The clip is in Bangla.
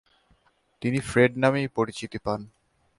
তিনি ফ্রেড নামেই পরিচিতি পান।